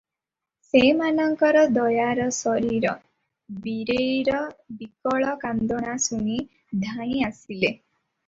ସେମାନଙ୍କର ଦୟାର ଶରୀର, ବିରେଇର ବିକଳ କାନ୍ଦଣା ଶୁଣି ଧାଇଁ ଆସିଲେ ।